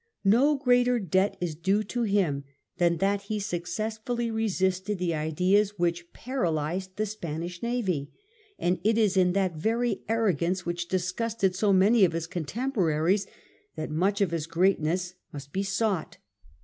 No greater debt is due to him than that he successfully resisted the ideas which paralysed the Spanish navy ; and it is in that very arrogance which disgusted so many of his contemporaries, that much of his greatness must be sought.